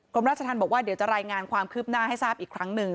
ราชธรรมบอกว่าเดี๋ยวจะรายงานความคืบหน้าให้ทราบอีกครั้งหนึ่ง